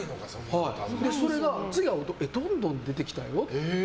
それが次会うとどんどん出てきたよって。